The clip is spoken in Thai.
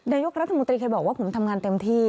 นายกรัฐมนตรีเคยบอกว่าผมทำงานเต็มที่